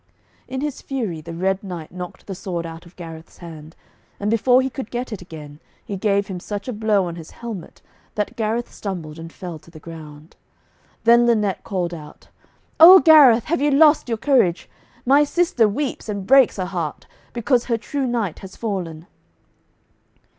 In his fury the Red Knight knocked the sword out of Gareth's hand, and before he could get it again, he gave him such a blow on his helmet that Gareth stumbled and fell to the ground. Then Lynette called out, 'O Gareth, have you lost your courage? My sister weeps and breaks her heart, because her true knight has fallen.'